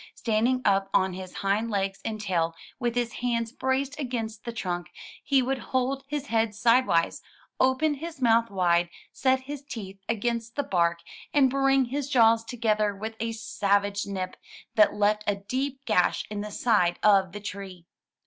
Standing up on his hind legs and tail, with his hands braced against the trunk, he would hold his head sidewise, open his mouth wide, set his teeth against the bark, and bring his jaws together with a savage nip, that left a deep gash in the side of the tree.